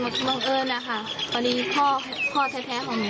ดูแลบังเอิญนะคะวันนี้พ่อพ่อแท้แท้ของหนู